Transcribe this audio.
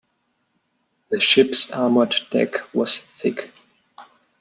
The ship's armoured deck was thick.